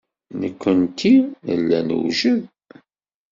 Nekkenti nella newjed.